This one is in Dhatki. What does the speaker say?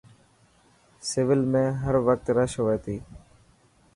سول ۾ هروقت رش هئي تي.